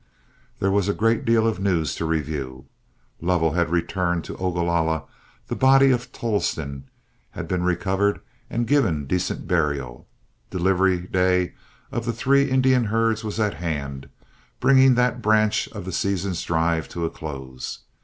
There was a great deal of news to review. Lovell had returned to Ogalalla; the body of Tolleston had been recovered and given decent burial; delivery day of the three Indian herds was at hand, bringing that branch of the season's drive to a close.